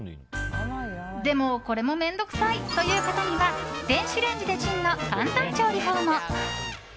でもこれも面倒くさいという方には電子レンジでチンの簡単調理法も。